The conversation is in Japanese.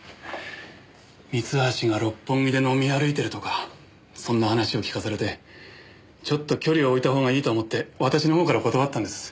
三橋が六本木で飲み歩いてるとかそんな話を聞かされてちょっと距離を置いた方がいいと思って私の方から断ったんです。